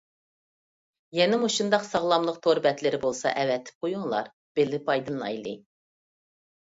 يەنە مۇشۇنداق ساغلاملىق تور بەتلىرى بولسا ئەۋەتىپ قويۇڭلار، بىللە پايدىلىنايلى.